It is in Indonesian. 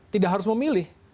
tidak harus memilih